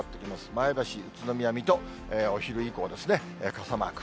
前橋、宇都宮、水戸、お昼以降傘マーク。